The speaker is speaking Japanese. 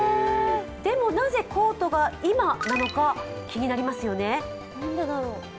でも、なぜコートが今なのか気になりますよね。